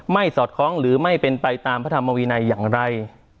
สอดคล้องหรือไม่เป็นไปตามพระธรรมวินัยอย่างไร